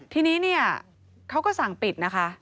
ทีนี้เขาก็สั่งปิดนะคะ